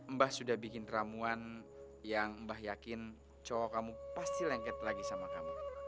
mbah sudah bikin ramuan yang mbah yakin cowok kamu pasti lengket lagi sama kamu